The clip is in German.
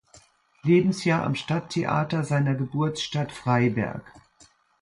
Lebensjahr am Stadttheater seiner Geburtsstadt Freiberg.